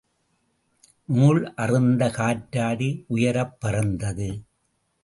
நூல் அறுந்த காற்றாடி உயரப் பறந்தது.